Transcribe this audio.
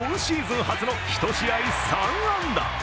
今シーズン初の１試合３安打。